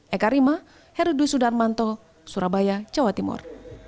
eka rima herudwi sudarmanto surabaya jawa timur